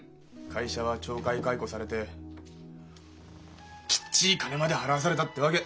会社は懲戒解雇されてきっちり金まで払わされたってわけ。